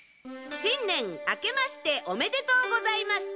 新年明けましておめでとうございます！